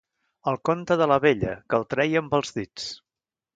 El compte de la vella, que el treia amb els dits.